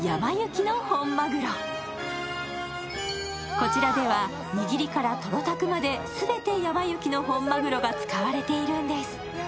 こちらでは握りからトロタクまですべてやま幸の本まぐろが使われているんです。